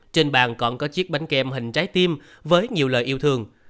trên bàn còn có chiếc bánh kem hình trái tim với nhiều lời yêu thương